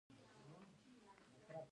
د تاریخ په اوږدو کې اړیکې وې.